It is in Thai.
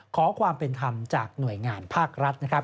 ขอความเป็นธรรมจากหน่วยงานภาครัฐนะครับ